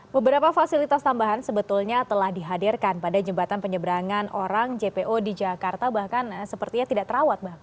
beberapa fasilitas tambahan sebetulnya telah dihadirkan pada jembatan penyeberangan orang jpo di jakarta bahkan sepertinya tidak terawat